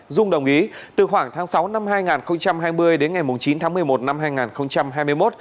dung đồng ý từ khoảng tháng sáu năm hai nghìn hai mươi đến ngày chín tháng một mươi một năm hai nghìn hai mươi một